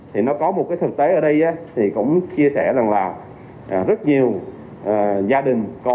thì nó có một cái thực tế ở đây thì cũng chia sẻ rằng là rất nhiều gia đình có